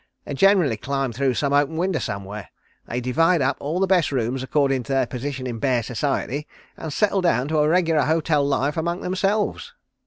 They generally climb through some open window somewhere. They divide up all the best rooms accordin' to their position in bear society and settle down to a regular hotel life among themselves."